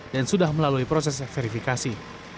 dan sudah melalui proses verifikasi